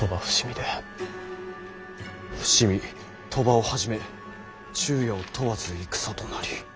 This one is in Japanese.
「伏見鳥羽をはじめ昼夜を問わず戦となり」。